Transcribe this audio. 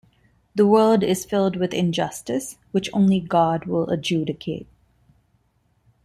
The world is filled with injustice, which only God will adjudicate.